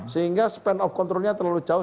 sehingga span of controlnya terlalu jauh